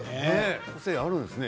個性があるんですね